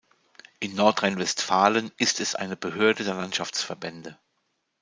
In Nordrhein-Westfalen ist es eine Behörde der Landschaftsverbände.